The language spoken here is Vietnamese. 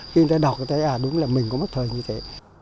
khi người ta đọc người ta thấy à đúng là mình có mất thời như thế